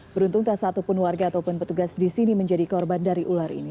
beruntung tak satupun warga ataupun petugas di sini menjadi korban dari ular ini